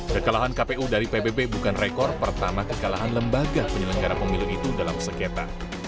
kekalahan kpu dari pbb bukan rekor pertama kekalahan lembaga penyelenggara pemilu itu dalam sengketa